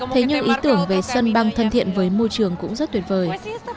thế nhưng ý tưởng về sân băng thân thiện với môi trường cũng rất tuyệt vời